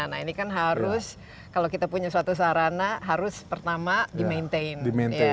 nah ini kan harus kalau kita punya suatu sarana harus pertama di maintain